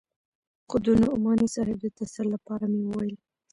خو د نعماني صاحب د تسل لپاره مې وويل.